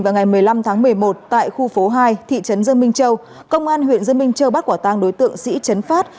vào ngày một mươi năm tháng một mươi một tại khu phố hai thị trấn dương minh châu công an huyện dương minh châu bắt quả tang đối tượng sĩ chấn phát